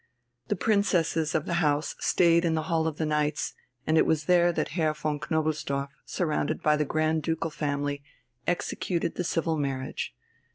The princesses of the House stayed in the Hall of the Knights, and it was there that Herr von Knobelsdorff, surrounded by the Grand Ducal family, executed the civil marriage.